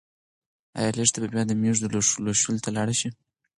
ايا لښتې به بیا د مېږو لوشلو ته لاړه شي؟